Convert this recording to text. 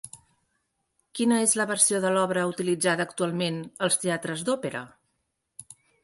Quina és la versió de l'obra utilitzada actualment als teatres d'òpera?